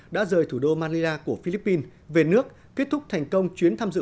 đã rời thủ đô manila của philippines về nước kết thúc thành công chuyến tham dự